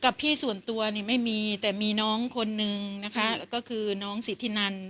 กับพี่ส่วนตัวนี่ไม่มีแต่มีน้องคนนึงนะคะก็คือน้องสิทธินัน